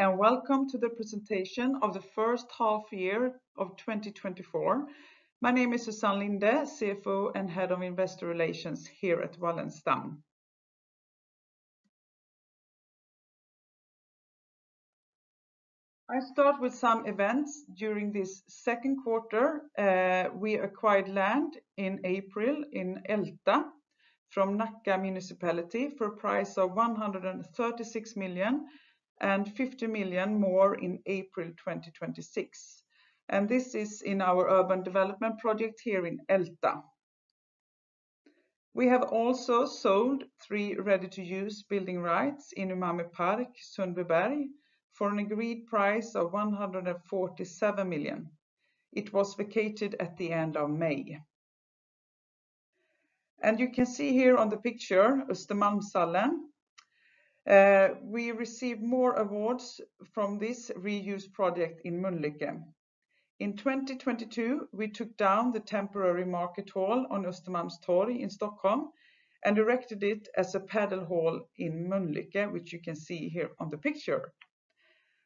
Welcome to the presentation of the first half year of 2024. My name is Susann Linde, CFO and Head of Investor Relations here at Wallenstam. I'll start with some events. During this second quarter, we acquired land in April in Älta from Nacka Municipality for a price of 136 million and 50 million more in April 2026. This is in our urban development project here in Älta. We have also sold three ready-to-use building rights in Umami Park, Sundbyberg, for an agreed price of 147 million. It was vacated at the end of May. You can see here on the picture Östermalmshallen. We received more awards from this reuse project in Mölnlycke. In 2022, we took down the temporary market hall on Östermalmstorg in Stockholm and erected it as a padel hall in Mölnlycke, which you can see here on the picture.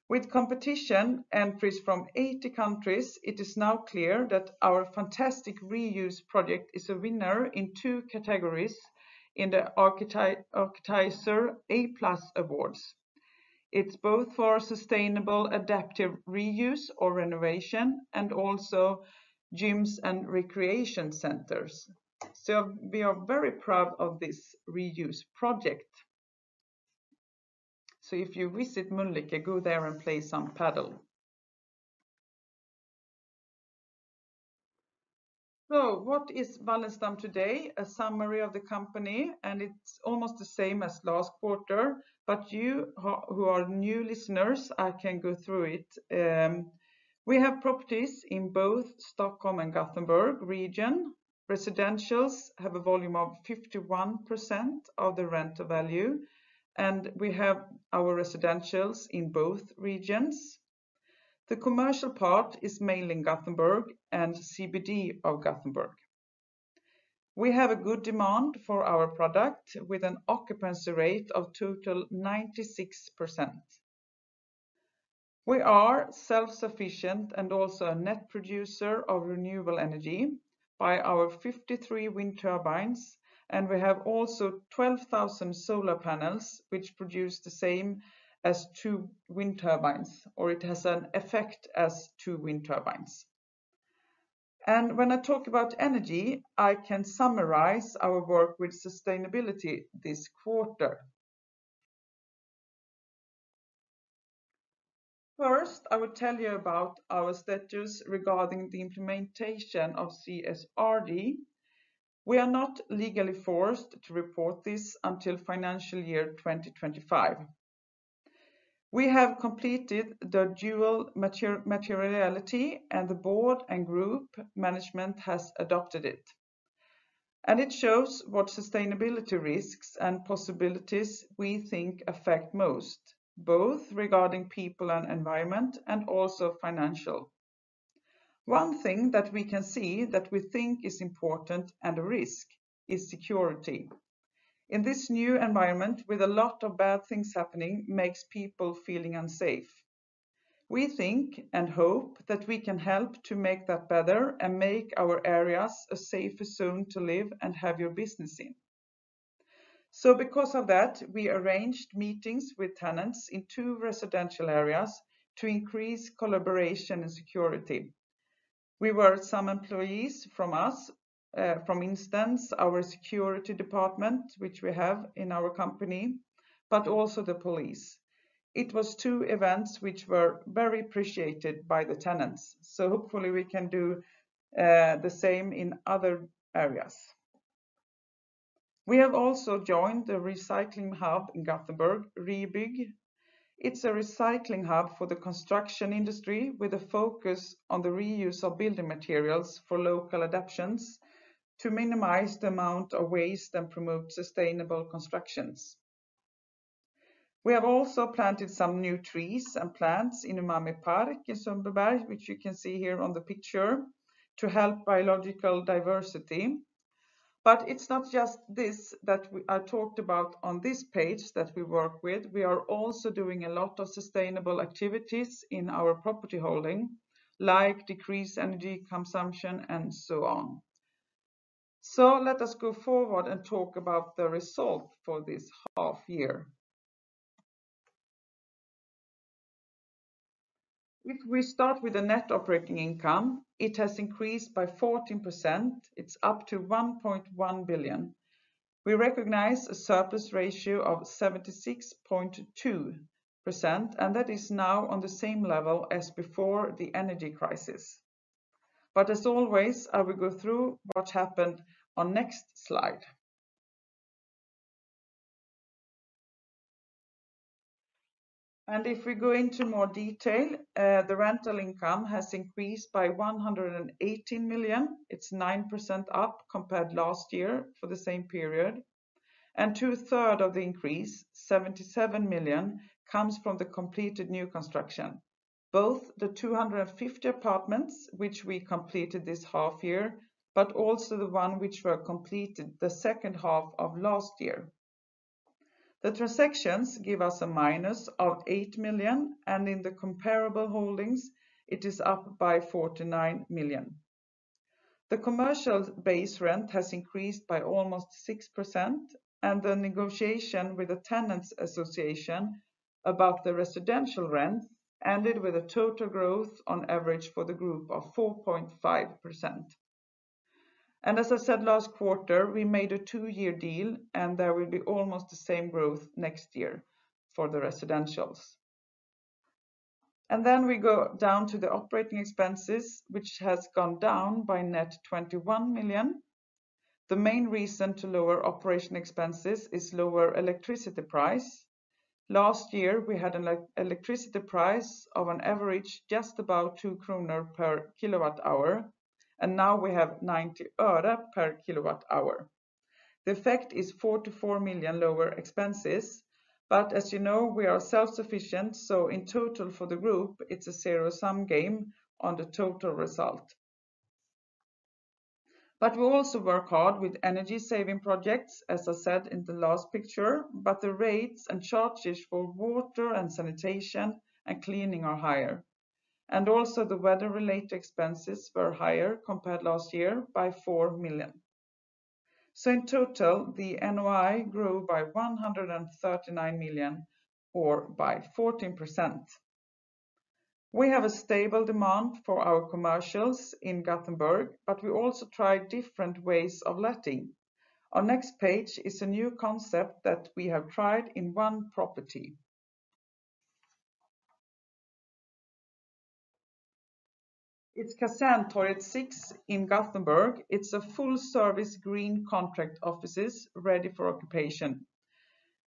With competition entries from 80 countries, it is now clear that our fantastic reuse project is a winner in two categories in the Architizer A+Awards. It's both for sustainable adaptive reuse or renovation and also gyms and recreation centers. So we are very proud of this reuse project. So if you visit Mölnlycke, go there and play some padel. So what is Wallenstam today? A summary of the company, and it's almost the same as last quarter. But you who are new listeners, I can go through it. We have properties in both Stockholm and Gothenburg region. Residentials have a volume of 51% of the rental value, and we have our residentials in both regions. The commercial part is mainly Gothenburg and CBD of Gothenburg. We have a good demand for our product with an occupancy rate of total 96%. We are self-sufficient and also a net producer of renewable energy by our 53 wind turbines, and we have also 12,000 solar panels which produce the same as two wind turbines, or it has an effect as two wind turbines. When I talk about energy, I can summarize our work with sustainability this quarter. First, I will tell you about our status regarding the implementation of CSRD. We are not legally forced to report this until financial year 2025. We have completed the dual materiality, and the board and group management has adopted it. It shows what sustainability risks and possibilities we think affect most, both regarding people and environment and also financial. One thing that we can see that we think is important and a risk is security. In this new environment with a lot of bad things happening, it makes people feel unsafe. We think and hope that we can help to make that better and make our areas a safer zone to live and have your business in. So because of that, we arranged meetings with tenants in two residential areas to increase collaboration and security. We were some employees from us, for instance, our security department, which we have in our company, but also the police. It was two events which were very appreciated by the tenants. So hopefully we can do the same in other areas. We have also joined the recycling hub in Gothenburg, Re:bygg. It's a recycling hub for the construction industry with a focus on the reuse of building materials for local adoptions to minimize the amount of waste and promote sustainable constructions. We have also planted some new trees and plants in Umami Park in Sundbyberg, which you can see here on the picture to help biological diversity. But it's not just this that I talked about on this page that we work with. We are also doing a lot of sustainable activities in our property holding, like decrease energy consumption and so on. So let us go forward and talk about the result for this half year. If we start with the net operating income, it has increased by 14%. It's up to 1.1 billion. We recognize a surplus ratio of 76.2%, and that is now on the same level as before the energy crisis. But as always, I will go through what happened on the next slide. And if we go into more detail, the rental income has increased by 118 million. It's 9% up compared to last year for the same period. Two-thirds of the increase, 77 million, comes from the completed new construction, both the 250 apartments which we completed this half year, but also the one which were completed the second half of last year. The transactions give us a minus of 8 million, and in the comparable holdings, it is up by 49 million. The commercial base rent has increased by almost 6%, and the negotiation with the tenants' association about the residential rent ended with a total growth on average for the group of 4.5%. And as I said, last quarter, we made a two-year deal, and there will be almost the same growth next year for the residentials. And then we go down to the operating expenses, which has gone down by net 21 million. The main reason to lower operation expenses is lower electricity price. Last year, we had an electricity price of an average just about 2 kronor per kWh, and now we have 0.90 per kWh. The effect is 44 million lower expenses, but as you know, we are self-sufficient. So in total, for the group, it's a zero-sum game on the total result. But we also work hard with energy-saving projects, as I said in the last picture, but the rates and charges for water and sanitation and cleaning are higher. And also, the weather-related expenses were higher compared to last year by 4 million. So in total, the NOI grew by 139 million or by 14%. We have a stable demand for our commercials in Gothenburg, but we also try different ways of letting. Our next page is a new concept that we have tried in one property. It's Kaserntorget 6 in Gothenburg. It's a full-service green contract offices ready for occupation.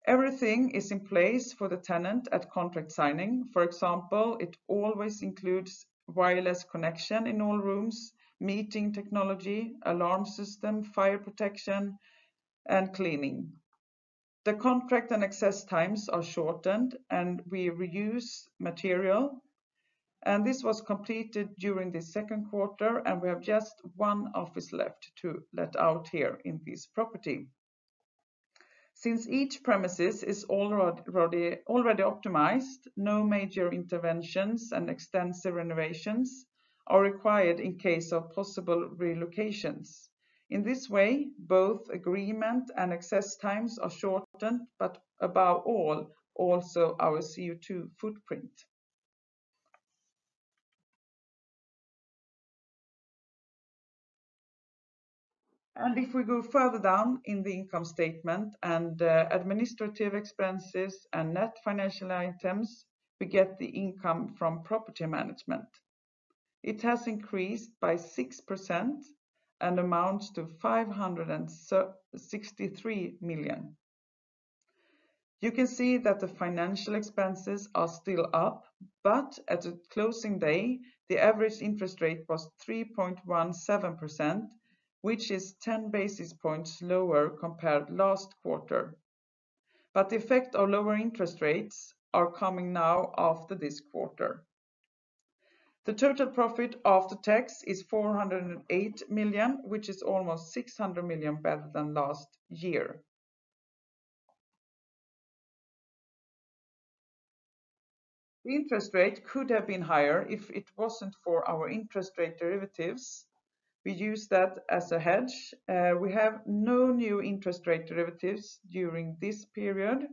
Everything is in place for the tenant at contract signing. For example, it always includes wireless connection in all rooms, meeting technology, alarm system, fire protection, and cleaning. The contract and access times are shortened, and we reuse material. And this was completed during the second quarter, and we have just one office left to let out here in this property. Since each premises is already optimized, no major interventions and extensive renovations are required in case of possible relocations. In this way, both agreement and access times are shortened, but above all, also our CO2 footprint. And if we go further down in the income statement and administrative expenses and net financial items, we get the income from property management. It has increased by 6% and amounts to 563 million. You can see that the financial expenses are still up, but at the closing day, the average interest rate was 3.17%, which is 10 basis points lower compared to last quarter. The effect of lower interest rates is coming now after this quarter. The total profit after tax is 408 million, which is almost 600 million better than last year. The interest rate could have been higher if it wasn't for our interest rate derivatives. We use that as a hedge. We have no new interest rate derivatives during this period,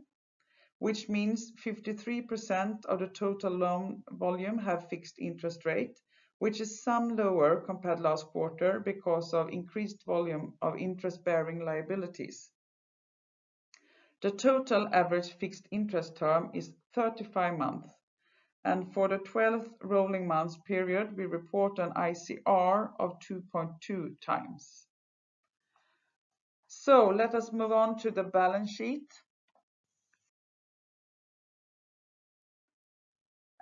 which means 53% of the total loan volume has fixed interest rate, which is some lower compared to last quarter because of increased volume of interest-bearing liabilities. The total average fixed interest term is 35 months. For the 12-month rolling period, we report an ICR of 2.2x. So let us move on to the balance sheet.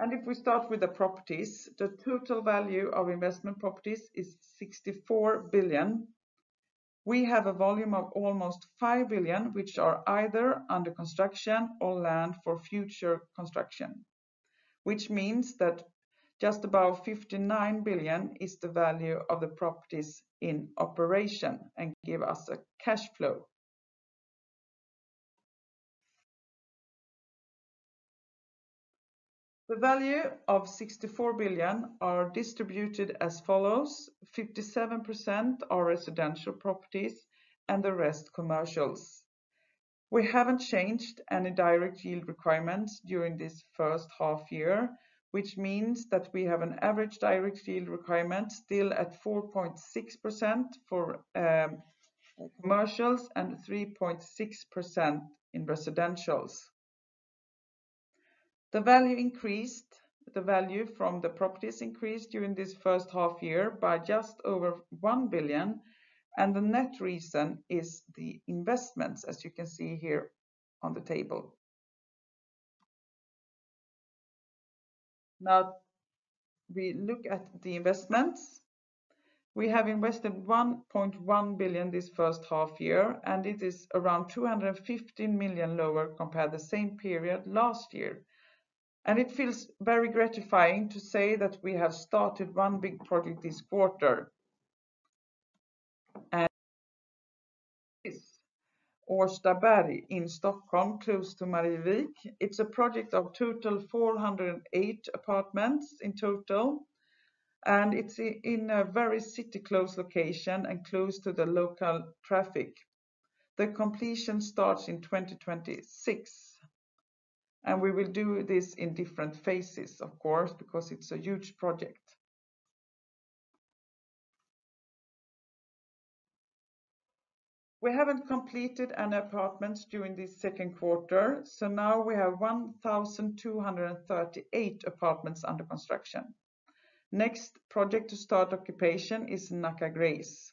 If we start with the properties, the total value of investment properties is 64 billion. We have a volume of almost 5 billion, which are either under construction or land for future construction, which means that just about 59 billion is the value of the properties in operation and gives us a cash flow. The value of 64 billion is distributed as follows: 57% are residential properties and the rest commercials. We haven't changed any direct yield requirements during this first half year, which means that we have an average direct yield requirement still at 4.6% for commercials and 3.6% in residentials. The value increased, the value from the properties increased during this first half year by just over 1 billion, and the net reason is the investments, as you can see here on the table. Now, we look at the investments. We have invested 1.1 billion this first half year, and it is around 215 million lower compared to the same period last year. It feels very gratifying to say that we have started one big project this quarter. This is Årstaberg in Stockholm, close to Marievik. It's a project of total 408 apartments in total, and it's in a very city-close location and close to the local traffic. The completion starts in 2026, and we will do this in different phases, of course, because it's a huge project. We haven't completed any apartments during this second quarter, so now we have 1,238 apartments under construction. Next project to start occupation is Nacka Grace.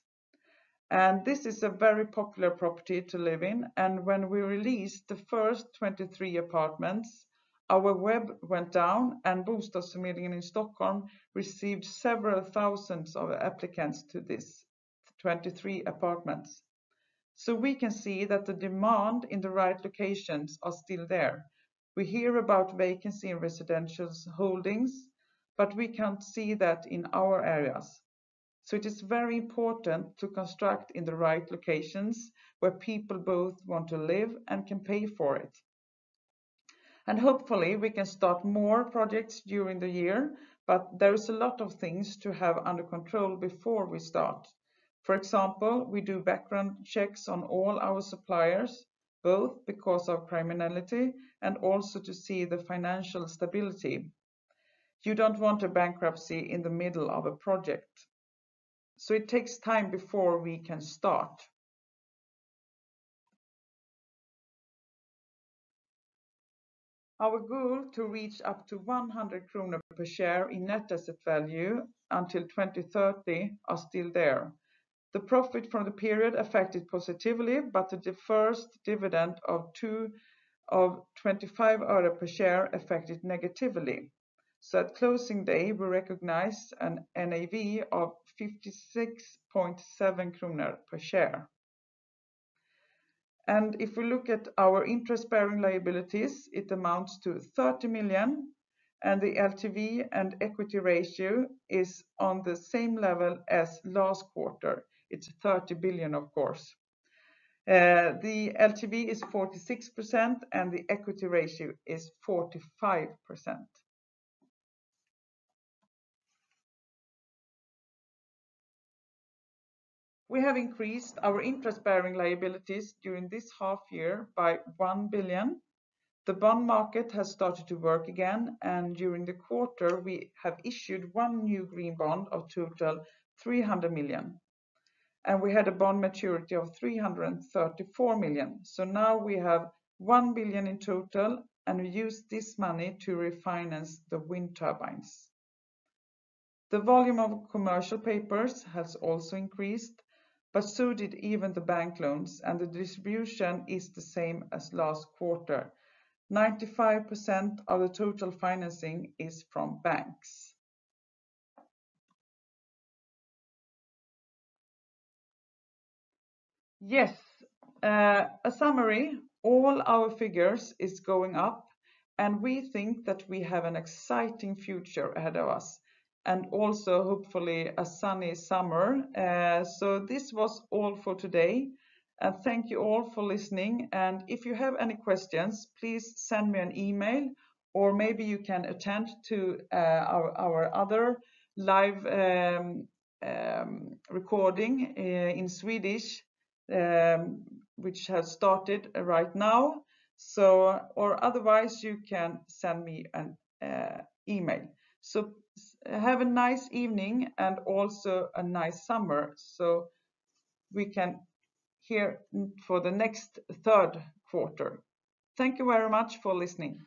This is a very popular property to live in, and when we released the first 23 apartments, our web went down, and Bostadsförmedlingen i Stockholm received several thousands of applicants to these 23 apartments. We can see that the demand in the right locations is still there. We hear about vacancy in residential holdings, but we can't see that in our areas. It is very important to construct in the right locations where people both want to live and can pay for it. Hopefully, we can start more projects during the year, but there are a lot of things to have under control before we start. For example, we do background checks on all our suppliers, both because of criminality and also to see the financial stability. You don't want a bankruptcy in the middle of a project. So it takes time before we can start. Our goal to reach up to 100 kronor per share in net asset value until 2030 is still there. The profit from the period affected positively, but the first dividend of SEK 0.25 per share affected negatively. So at closing day, we recognized an NAV of 56.7 kronor per share. And if we look at our interest-bearing liabilities, it amounts to 30 million, and the LTV and equity ratio is on the same level as last quarter. It's 30 billion, of course. The LTV is 46%, and the equity ratio is 45%. We have increased our interest-bearing liabilities during this half year by 1 billion. The bond market has started to work again, and during the quarter, we have issued one new green bond of total 300 million. We had a bond maturity of 334 million. So now we have 1 billion in total, and we use this money to refinance the wind turbines. The volume of commercial papers has also increased, but so did even the bank loans, and the distribution is the same as last quarter. 95% of the total financing is from banks. Yes, a summary: all our figures are going up, and we think that we have an exciting future ahead of us, and also hopefully a sunny summer. So this was all for today, and thank you all for listening. And if you have any questions, please send me an email, or maybe you can attend to our other live recording in Swedish, which has started right now. So, or otherwise, you can send me an email. Have a nice evening and also a nice summer, so we can hear for the next third quarter. Thank you very much for listening.